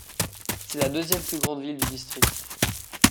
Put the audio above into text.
C'est la deuxième plus grande ville du district.